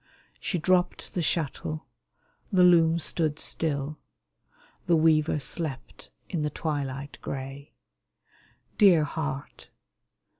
She dropped the shuttle ; the loom stood still ; The weaver slept in the twilight gray. Dear heart